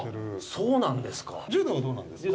そうなんですか！